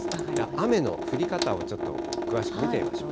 雨の降り方をちょっと詳しく見てみましょう。